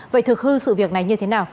vậy thực hư sự việc này như thế nào